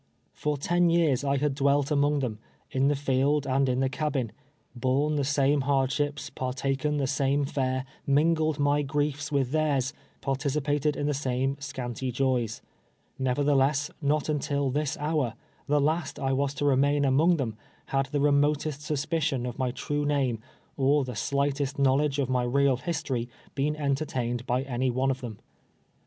For ten years I had dwelt among them, in the field and in the cabin, borne the same hardships, partaken the same fare, mingled my griefs with theirs, participated in the same scanty joys ; nevertheless, not until this hour, the last I was to re main among them, had the remotest susj^icion of my true name, or the slightest knowledge of my real his tory, been entertained by any one of them.